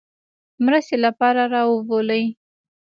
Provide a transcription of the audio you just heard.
مرستې لپاره را وبولي.